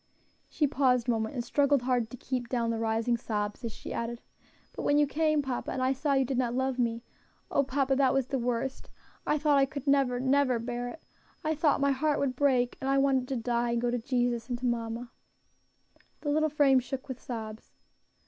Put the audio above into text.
She paused a moment, and struggled hard to keep down the rising sobs, as she added, "But when you came, papa, and I saw you did not love me, oh! papa, that was the worst. I thought I could never, never bear it. I thought my heart would break, and I wanted to die and go to Jesus, and to mamma." The little frame shook with sobs.